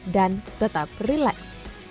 dan tetap relax